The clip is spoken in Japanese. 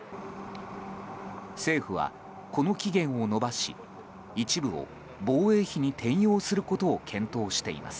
政府はこの期限を延ばし一部を防衛費に転用することを検討しています。